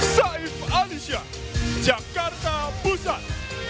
saif alisha jakarta pusat